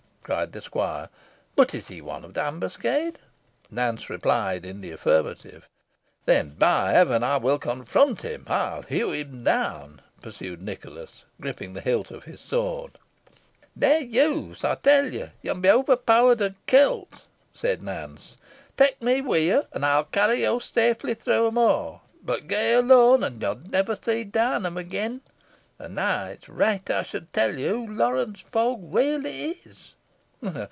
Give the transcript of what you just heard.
cried the squire. "But is he one of the ambuscade?" Nance replied in the affirmative. "Then, by heaven! I will confront him I will hew him down," pursued Nicholas, griping the hilt of his sword. "Neaw use, ey tell ye yo'n be overpowert an kilt," said Nance. "Tak me wi' yo, an ey'n carry yo safely through em aw; boh ge alone, or yo'n ne'er see Downham again. An now it's reet ey should tell ye who Lawrence Fogg really is."